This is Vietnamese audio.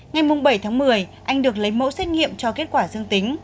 ngày bảy tháng một mươi anh được lấy mẫu xét nghiệm cho kết quả dương tính